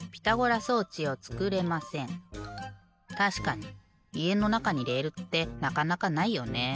たしかにいえのなかにレールってなかなかないよね。